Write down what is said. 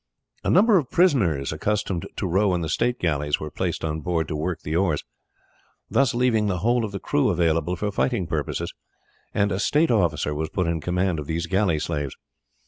A number of prisoners accustomed to row in the state galleys were placed on board to work the oars, thus leaving the whole of the crew available for fighting purposes, and a state officer was put in command of these galley slaves.